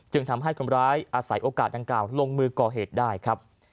ทำให้คนร้ายอาศัยโอกาสดังกล่าวลงมือก่อเหตุได้ครับ